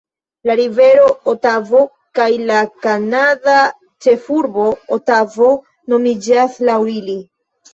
La Rivero Otavo kaj la kanada ĉefurbo Otavo nomiĝas laŭ ili.